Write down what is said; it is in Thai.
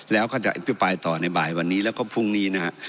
แล้วก็จะอภิปรายต่อในบ่ายวันนี้แล้วก็พรุ่งนี้นะฮะ